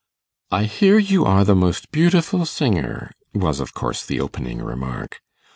'I hear you are the most beautiful singer,' was of course the opening remark.